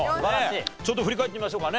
ちょっと振り返ってみましょうかね。